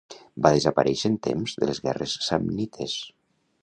Va desaparèixer en temps de les guerres samnites.